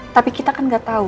tapi kita kan ga tahu ya